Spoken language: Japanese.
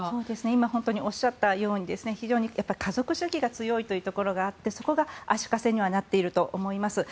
今、おっしゃったように非常に家族主義が強いというところがあってそこが足かせにはなっていると思います。